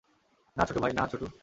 না, ছোটু ভাই, না, ছোটু।